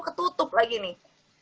ketutup lagi nih